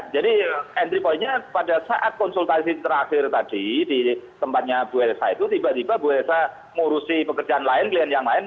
jadi entry pointnya pada saat konsultasi terakhir tadi di tempatnya bu elsa itu tiba tiba bu elsa mengurusi pekerjaan lain